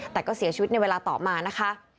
แต่ก็เสียชีวิตในเวลาต่อมานะคะ